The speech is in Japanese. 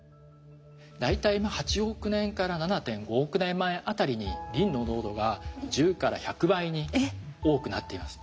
大体８億年から７．５億年前辺りにリンの濃度が１０から１００倍に多くなっています。